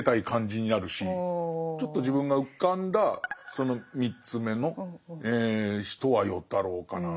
ちょっと自分が浮かんだその３つ目の人は与太郎かな。